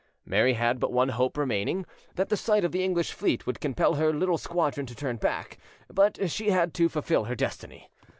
Mary had but one hope remaining, that the sight of the English fleet would compel her little squadron to turn back; but she had to fulfil her destiny.